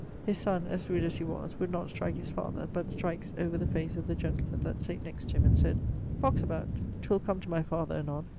His son, as rude as he was, would not strike his father, but strikes over the face the gentleman that sate next to him and sayd 'Box about: 'twill come to my father anon.'